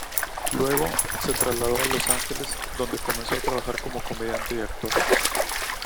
Luego, se trasladó a Los Ángeles, donde comenzó a trabajar como comediante y actor.